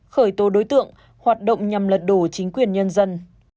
khởi tố đối tượng hoạt động nhằm lật đổ chính quyền nhân dân